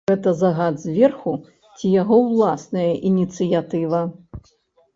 Гэта загад зверху ці яго ўласная ініцыятыва?